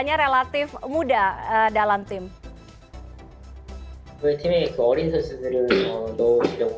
saya sudah berusaha dalam latihan untuk mencari kementerian tersebut